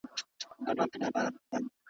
طبیعي سرې ځمکه حاصلخېزه کوي.